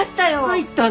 入ったの？